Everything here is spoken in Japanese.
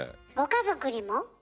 ご家族にも？